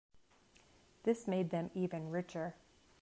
This made them even richer.